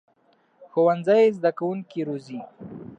ښوونځی زده کوونکي روزي